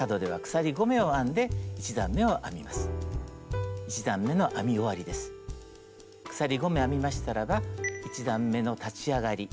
鎖５目編みましたらば１段めの立ち上がり